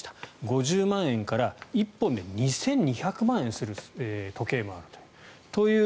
５０万円から１本で２２００万円する時計もあるという。